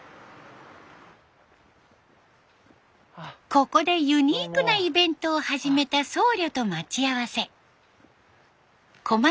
ここでユニークなイベントを始めた僧侶と待ち合わせ。